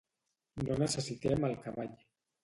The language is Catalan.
No necessitem el cavall.